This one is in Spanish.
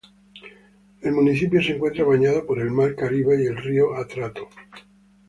El municipio se encuentra bañado por el mar Caribe y el río Atrato.